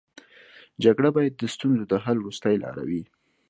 جګړه باید د ستونزو د حل وروستۍ لاره وي